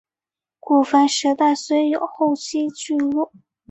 古坟时代虽有后期聚落。